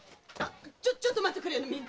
ちょちょっと待っておくれよ。